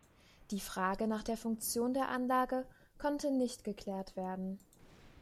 Die Frage nach der Funktion der Anlage konnte nicht geklärt werden.